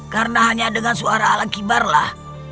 karena hanya dengan suara alang kibarlah